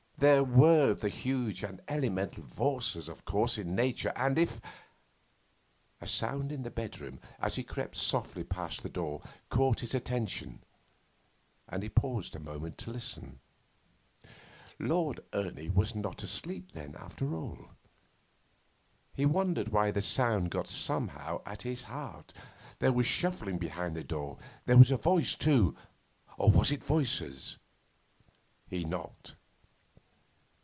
There were the huge and elemental forces, of course, in Nature, and if ... A sound in the bedroom, as he crept softly past the door, caught his attention, and he paused a moment to listen. Lord Ernie was not asleep, then, after all. He wondered why the sound got somehow at his heart. There was shuffling behind the door; there was a voice, too or was it voices? He knocked.